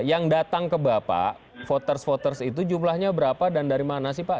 yang datang ke bapak voters voters itu jumlahnya berapa dan dari mana sih pak